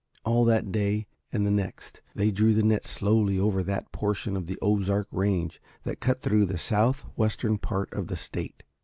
All that day and the next they drew the net slowly over that portion of the Ozark range that cut through the southwestern part of the state.